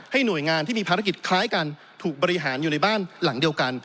หน่วยงานที่มีภารกิจคล้ายกันถูกบริหารอยู่ในบ้านหลังเดียวกัน